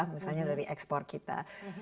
misalnya dari ekspor kita